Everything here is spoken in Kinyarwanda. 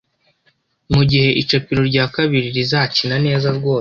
Mugihe icapiro rya kabiri rizakina neza rwose